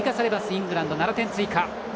イングランドに７点追加。